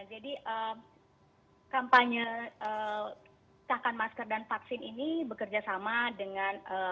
jadi kampanye cahkan masker dan vaksin ini bekerja sama dengan